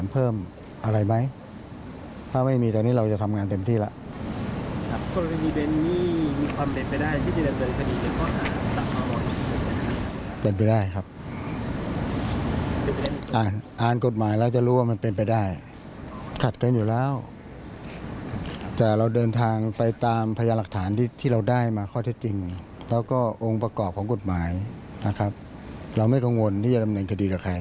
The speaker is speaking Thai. อ่านกฎหมายแล้วจะรู้ว่ามันเป็นไปได้ขัดกันอยู่แล้วแต่เราเดินทางไปตามพยาหลักฐานที่เราได้มาข้อเท็จจริงแล้วก็องค์ประกอบของกฎหมายนะครับเราไม่กังวลที่จะดำเนินคดีกับใคร